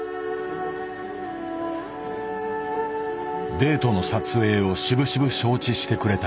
デートの撮影をしぶしぶ承知してくれた。